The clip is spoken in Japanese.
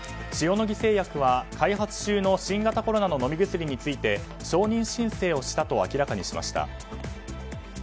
塩野義製薬は開発中の新型コロナの飲み薬について承認申請をしたと明らかにしました。